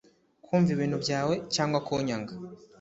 Kumva ibintu byawe cyangwa kunyanga